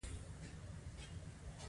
دوی به غلامان په ځینو وسایلو سوځول.